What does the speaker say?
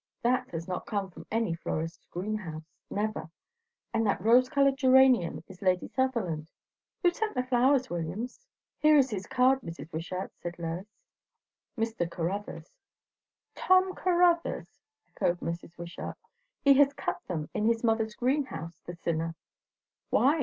That has not come from any florist's greenhouse. Never. And that rose coloured geranium is Lady Sutherland. Who sent the flowers, Williams?" "Here is his card, Mrs. Wishart," said Lois. "Mr. Caruthers." "Tom Caruthers!" echoed Mrs. Wishart. "He has cut them in his mother's greenhouse, the sinner!" "Why?"